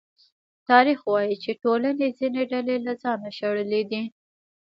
تاریخ وايي چې ټولنې ځینې ډلې له ځانه شړلې دي.